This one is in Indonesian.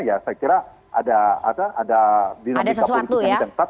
saya kira ada dinamika politik yang ditangkap